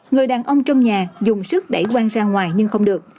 người đàn ông trong nhà dùng sức đẩy quang ra ngoài nhưng không được